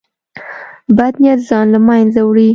بد نیت ځان له منځه وړي.